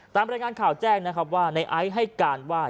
ตามรายงานข่าวแจ้งนะครับว่าในไอซ์ให้การว่า